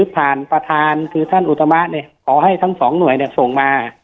ผ่านประธานคือท่านอุตมะเนี่ยขอให้ทั้ง๒หน่วยเนี่ยส่งมา